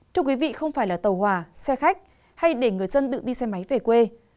thưa quý vị không phải là tàu hòa xe khách hay để người dân tự đi xe máy về quê